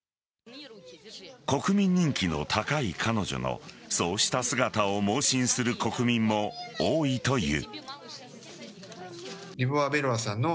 国民人気の高い彼女のそうした姿を妄信する国民も多いという。